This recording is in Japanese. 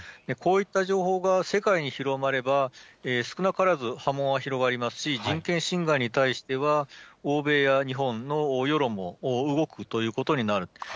こういった情報が世界に広まれば、少なからず波紋は広がりますし、人権侵害に対しては、欧米や日本の世論も動くということになる。